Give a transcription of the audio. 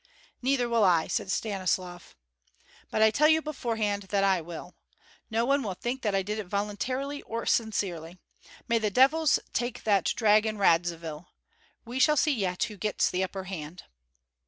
"Neither will I!" said Stanislav. "But I tell you beforehand that I will. No one will think that I did it voluntarily or sincerely. May the devils take that dragon Radzivill! We shall see yet who gets the upper hand."